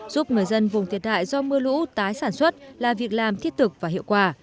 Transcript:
giúp người dân vùng thiệt hại do mưa lũ tái sản xuất là việc làm thiết thực và hiệu quả